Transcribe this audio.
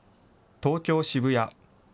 東京・渋谷。